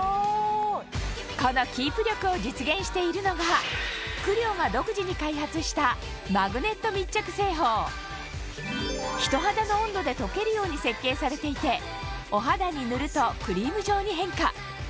このキープ力を実現しているのがＣＬＩＯが独自に開発した人肌の温度で溶けるように設計されていてお肌に塗るとクリーム状に変化